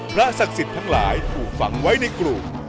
ศักดิ์สิทธิ์ทั้งหลายถูกฝังไว้ในกลุ่ม